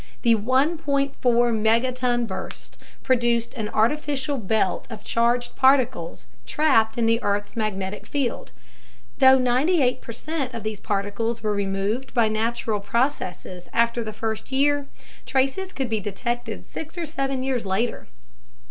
The 1.4 megaton burst produced an artificial belt of charged particles trapped in the earth's magnetic field. Though 98 percent of these particles were removed by natural processes after the first year, traces could be detected 6 or 7 years later.